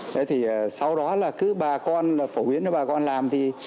thế thì sau đó là cứ bà con phổ biến cho bà con làm thì